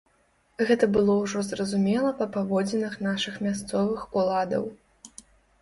Гэта было ўжо зразумела па паводзінах нашых мясцовых уладаў.